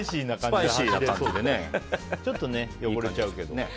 ちょっと汚れちゃうけどね。